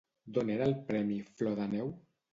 D'on era el premi Flor de Neu?